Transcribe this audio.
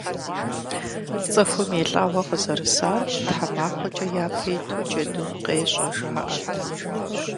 ЦӀыхум и лӀэгъуэ къызэрысар тхьэмахуэкӀэ япэ иту джэдум къещӀэ, жаӀэрт.